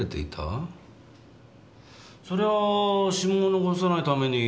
そりゃあ指紋を残さないために